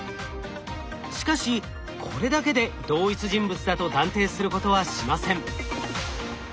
しかしこれだけで同一人物だと断定することはしません。